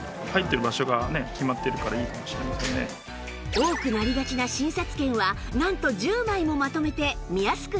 多くなりがちな診察券はなんと１０枚もまとめて見やすく収納